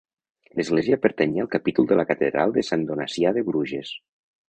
L'església pertanyia al capítol de la Catedral de Sant Donacià de Bruges.